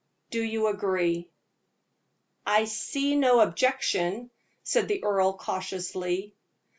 Do you agree?" "I see no objection," said the earl, cautiously.